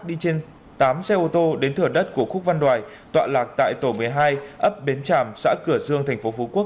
đi trên tám xe ô tô đến thửa đất của khúc văn đoài tọa lạc tại tổ một mươi hai ấp bến tràm xã cửa dương tp phú quốc